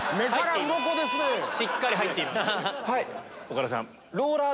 岡田さん。